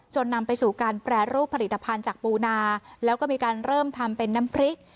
นำไปสู่การแปรรูปผลิตภัณฑ์จากปูนาแล้วก็มีการเริ่มทำเป็นน้ำพริก